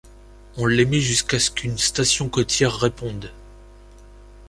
On l'émet jusqu'à ce qu'une station côtière réponde.